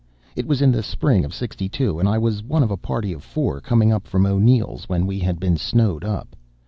It was in the spring of '62, and I was one of a party of four, coming up from O'Neill's, when we had been snowed up.